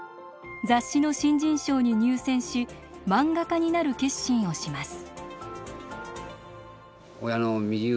雑誌の新人賞に入選し漫画家になる決心をします。